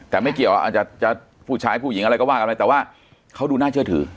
แต่ไม่เกี่ยวอาจจะผู้ชายผู้หญิงอะไรก็ว่ากันไปแต่ว่าเขาดูน่าเชื่อถือ